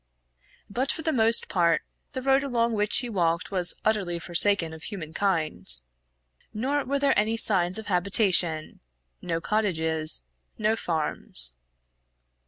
But for the most part the road along which he walked was utterly forsaken of human kind. Nor were there any signs of habitation no cottages, no farms.